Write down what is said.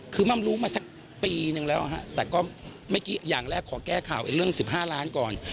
คือมัดรู้มาสักปีหนึ่งแล้วนะคะอย่างแรกขอแก้ข่าวเรื่อง๑๕ล้านบาทก่อน